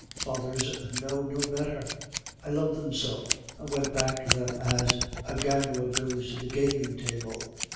fathers know no better; I loved them so; I went back to them as a gambler goes to the gaming table.